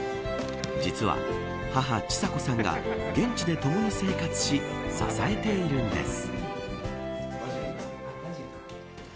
実は母、知佐子さんが現地で共に生活し支えているんです。